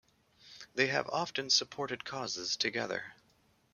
They have often supported causes together.